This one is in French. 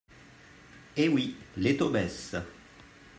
Eh oui, les taux baissent